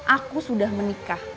aku sudah menikah